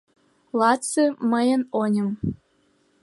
— Лаци — мыйын оньым.